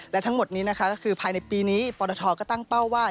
และทั้งหมดนี้นะคะก็คือภายในปีนี้ปรทก็ตั้งเป้าว่า